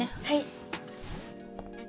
はい。